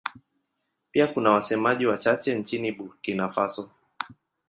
Pia kuna wasemaji wachache nchini Burkina Faso.